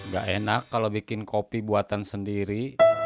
gak enak kalau bikin kopi buatan sendiri